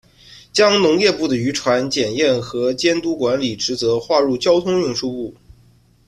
将农业部的渔船检验和监督管理职责划入交通运输部。